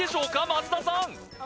増田さん！